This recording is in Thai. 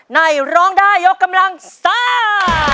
ร้องได้ยกกำลังซ่า